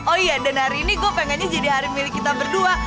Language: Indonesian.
oh iya dan hari ini gue pengennya jadi hari milik kita berdua